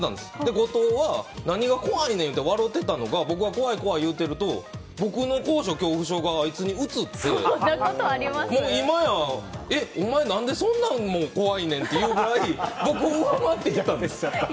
後藤は何が怖いねん！って笑ってたのが僕が怖い怖い言うてると僕の高所恐怖症があいつにうつってもう今やお前、何でそんなんも怖いねんってぐらい僕を上回っていったんです。